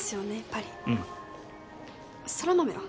パリうん空豆は？